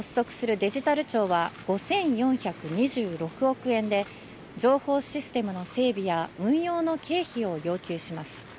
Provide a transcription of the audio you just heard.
明日、発足するデジタル庁は５４２６億円で情報システムの整備や運用の経費を要求します。